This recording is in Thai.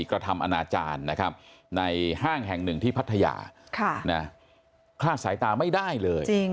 กระทำอนาจารย์นะครับในห้างแห่งหนึ่งที่พัทยาคลาดสายตาไม่ได้เลย